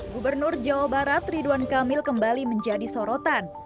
gubernur jawa barat ridwan kamil kembali menjadi sorotan